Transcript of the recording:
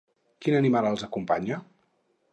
Quin animal els acompanya?